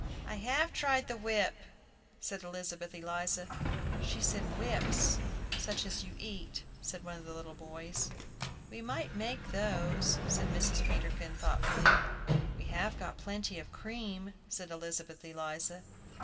"I have tried the whip," said Elizabeth Eliza. "She says 'whips,' such as you eat," said one of the little boys. "We might make those," said Mrs. Peterkin, thoughtfully. "We have got plenty of cream," said Elizabeth Eliza.